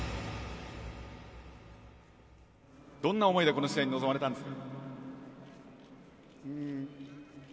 どんな思いでこの試合に臨まれたんですか。